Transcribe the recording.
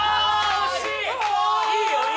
惜しい！